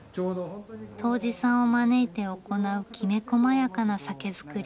杜氏さんを招いて行うきめこまやかな酒造り。